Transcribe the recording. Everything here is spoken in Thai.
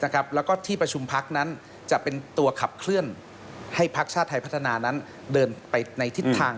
แล้วก็ที่ประชุมพักนั้นจะเป็นตัวขับเคลื่อนให้พักชาติไทยพัฒนานั้นเดินไปในทิศทาง